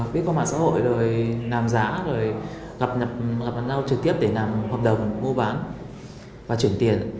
biết qua mạng xã hội rồi làm giá gặp nhau trực tiếp để làm hợp đồng mua bán và chuyển tiền